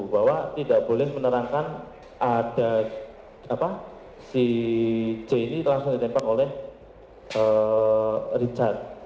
bahwa tidak boleh menerangkan ada si c ini langsung ditembak oleh richard